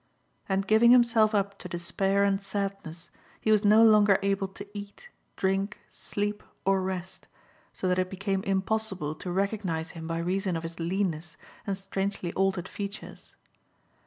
And giving himself up to despair and sadness, he was no longer able to eat, drink, sleep, or rest, 1 6 THE HEPTAMERON. so that it became impossible to recognise him by reason of his leanness and strangely altered features.